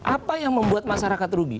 apa yang membuat masyarakat rugi